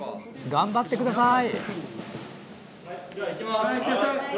頑張ってください！